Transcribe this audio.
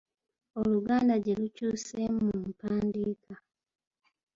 Oluganda gye lukyuseemu mu mpandiika.